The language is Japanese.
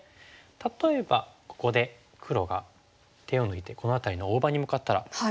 例えばここで黒が手を抜いてこの辺りの大場に向かったらどうでしょう。